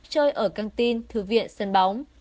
chơi ở căng tin thư viện sân bóng